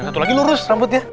satu lagi lurus rambutnya